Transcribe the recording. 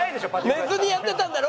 寝ずにやってたんだろ？